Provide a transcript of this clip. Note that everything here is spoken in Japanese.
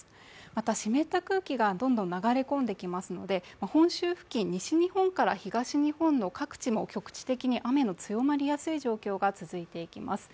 また、湿った空気がどんどん流れ込んできますので本州付近、西日本から東日本の各地も局地的に雨の強まりやすい状況が続いていきます。